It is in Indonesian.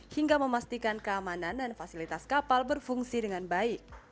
hingga memastikan keamanan dan fasilitas kapal berfungsi dengan baik